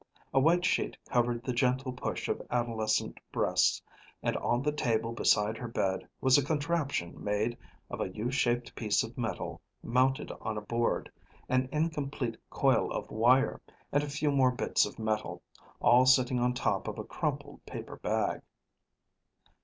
A white sheet covered the gentle push of adolescent breasts, and on the table beside her bed was a contraption made of a U shaped piece of metal mounted on a board, an incomplete coil of wire, and a few more bits of metal, all sitting on top of a crumpled paper bag.